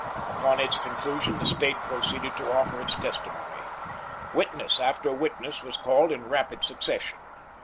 Upon its conclusion the State proceeded to offer its testimony. Witness after witness was called in rapid succession.